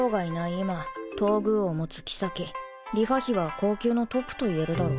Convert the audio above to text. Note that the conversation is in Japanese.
今東宮を持つ妃梨花妃は後宮のトップと言えるだろう。